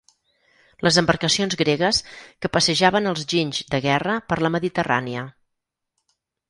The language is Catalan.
Les embarcacions gregues que passejaven els ginys de guerra per la Mediterrània.